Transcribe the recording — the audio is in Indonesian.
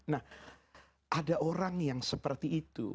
nah ada orang yang seperti itu